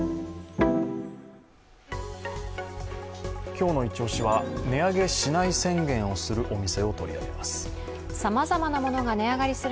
今日の一押しは値上げしない宣言をするお店を取り上げます。